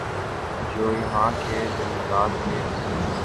جو یہاں کے جنگلات کےحسن